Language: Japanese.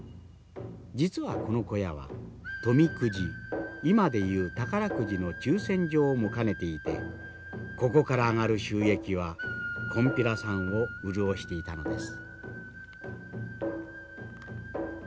実はこの小屋は富くじ今で言う宝くじの抽せん場も兼ねていてここから上がる収益はこんぴらさんを潤していたのです。